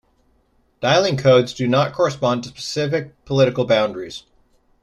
Dialling codes do not correspond to specific political boundaries.